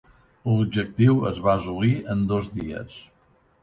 L"objectiu es va assolir en dos dies.